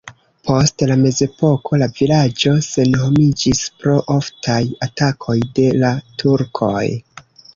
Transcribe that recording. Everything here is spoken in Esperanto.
Post la mezepoko la vilaĝo senhomiĝis pro oftaj atakoj de la turkoj.